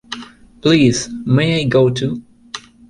Please, may I go too?